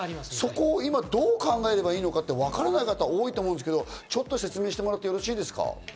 そこを今、どう考えればいいのか、わからない方が多いと思うんですけど、説明してもらっていいですか。